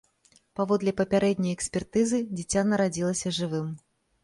Паводле папярэдняй экспертызы, дзіця нарадзілася жывым.